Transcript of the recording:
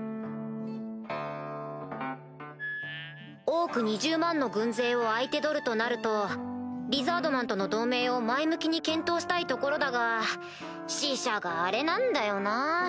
・オーク２０万の軍勢を相手取るとなると・リザードマンとの同盟を前向きに検討したいところだが使者がアレなんだよな。